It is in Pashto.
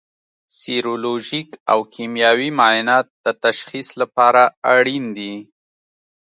سیرولوژیک او کیمیاوي معاینات د تشخیص لپاره اړین دي.